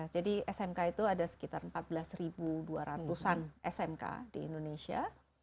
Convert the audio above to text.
jadi smk itu ada sekitar empat belas dua ratus an smk di indonesia